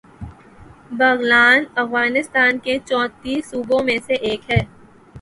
بغلان افغانستان کے چونتیس صوبوں میں سے ایک ہے